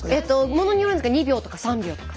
ものによるんですが２秒とか３秒とか。